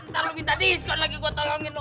ntar lu minta diskon lagi gue tolongin lu